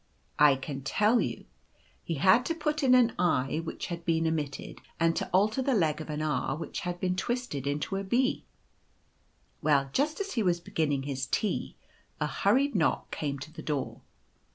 cc I can tell you. He had to put in an i which had been omitted, and to alter the leg of an R which had been twisted into a B. " Well, just as he was beginning his tea a hurried knock came to the door.